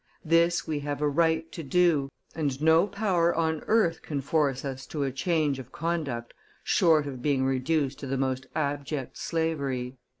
This we have a right to do, and no power on earth can force us to a change of conduct short of being reduced to the most abject slavery.